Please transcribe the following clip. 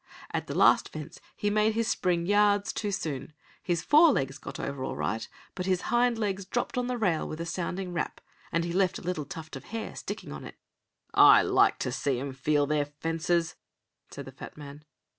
At the last fence he made his spring yards too soon; his forelegs got over all right, but his hind legs dropped on the rail with a sounding rap, and he left a little tuft of hair sticking on it. "I like to see 'em feel their fences," said the fat man.